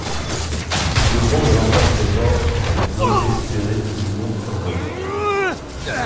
Si le vent ne l’emportait pas, elles pouvaient espérer une union heureuse.